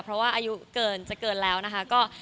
เพราะว่าอายุเกินจะเกินแล้วนะคะ